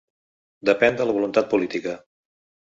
Depèn de la voluntat política.